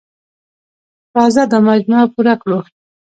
راځه دا مجموعه پوره کړو.